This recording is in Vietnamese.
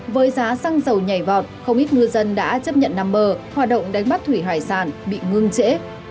với giá xăng dầu nhảy vọt không ít ngư dân đã chấp nhận nằm bờ hoạt động đánh bắt thủy hải sản bị ngưng trễ